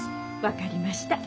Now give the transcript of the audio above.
分かりました。